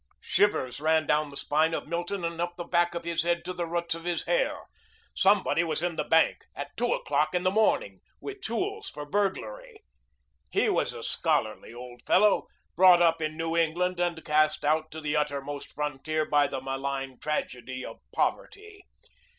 Shivers ran down the spine of Milton and up the back of his head to the roots of his hair. Somebody was in the bank at two o'clock in the morning with tools for burglary. He was a scholarly old fellow, brought up in New England and cast out to the uttermost frontier by the malign tragedy of poverty.